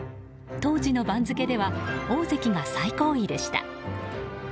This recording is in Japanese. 当時の番付では大関が最高位でした。